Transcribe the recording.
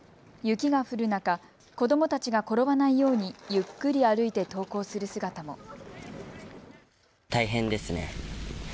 雪が降る中、子どもたちが転ばないようにゆっくり歩いて登校する姿も。